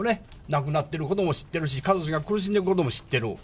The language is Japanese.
亡くなってることも知ってるし、家族が苦しんでることも知ってる。